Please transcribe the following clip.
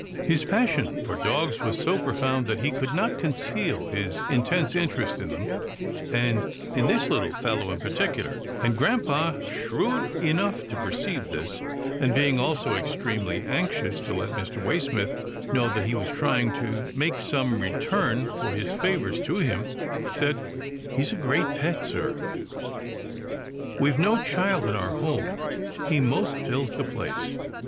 His passion for dogs was so profound that he could not conceal his intense interest in them, and in this little fellow in particular, and grampa, shrewd enough to perceive this, and being also extremely anxious to let Mr. Waysmith know that he was trying to make some return for his favours to him, said, " He's a great pet, sir. We've no child in our home. He most fills the place."